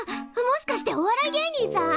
もしかしてお笑い芸人さん！？